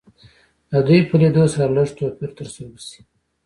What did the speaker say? د دوی په لیدو سره لږ توپیر تر سترګو شي